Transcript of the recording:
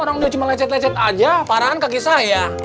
orang udah cuma lecet lecet aja parahan kagis saya